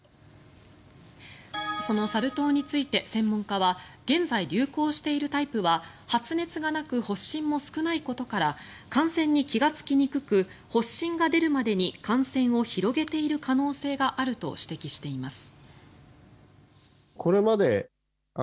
そのサル痘について専門家は現在流行しているタイプは発熱がなく発疹も少ないことから感染に気がつきにくく発疹が出るまでに感染を広げている可能性があると指摘しています。